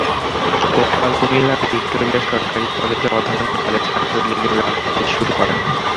Gopal Comilla Victoria সরকারি কলেজে অধ্যয়নকালে ছাত্র লীগের রাজনীতি শুরু করেন।